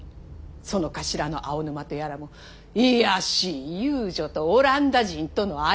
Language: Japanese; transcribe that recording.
その頭の青沼とやらも卑しい遊女とオランダ人との合いの子！